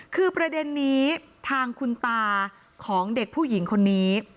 คือประเด็นนี้ทางคุณตาของเด็กผู้หญิงคนนี้